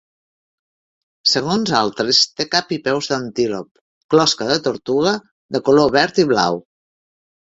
Segons altres, té cap i peus d'antílop, closca de tortuga, de color verd i blau.